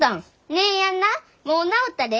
姉やんなもう治ったで。